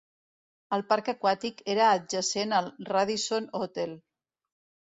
El parc aquàtic era adjacent al Radisson Hotel.